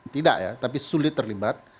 tidak ya tapi sulit terlibat